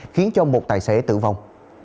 khiến một tài xế tử vong